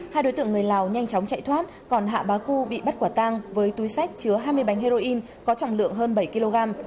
hai đối tượng người lào nhanh chóng chạy thoát còn hạ bá cu bị bắt quả tang với túi sách chứa hai mươi bánh heroin có trọng lượng hơn bảy kg